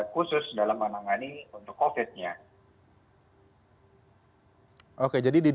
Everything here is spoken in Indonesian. kebetulan saya sakit yang khusus dalam menangani covid sembilan belas